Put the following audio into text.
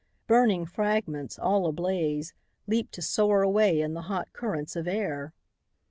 Burning fragments, all ablaze, leaped to soar away in the hot currents of air.